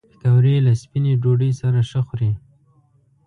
پکورې له سپینې ډوډۍ سره ښه خوري